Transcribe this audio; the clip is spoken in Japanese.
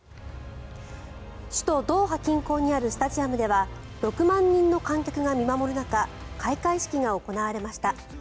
首都ドーハ近郊にあるスタジアムでは６万人の観客が見守る中開会式が行われました。